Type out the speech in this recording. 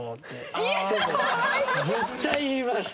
絶対言います。